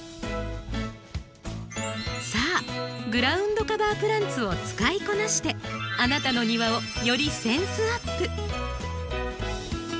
さあグラウンドカバープランツを使いこなしてあなたの庭をよりセンスアップ。